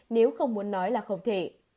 nếu không muốn nói